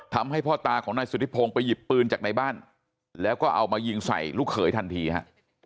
พ่อตาของนายสุธิพงศ์ไปหยิบปืนจากในบ้านแล้วก็เอามายิงใส่ลูกเขยทันทีฮะ